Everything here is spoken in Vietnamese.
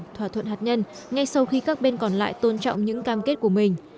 thỏa thuận hạt nhân ngay sau khi các bên còn lại tôn trọng những cam kết của mình